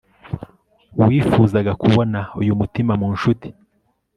wifuzaga kubona uyu mutima mu nshuti